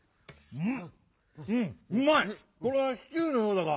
うん！